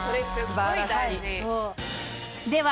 素晴らしい。